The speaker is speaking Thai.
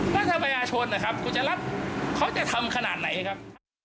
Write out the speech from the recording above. นัธยาชนนะครับกูจะรับเขาจะทำขนาดไหนครับ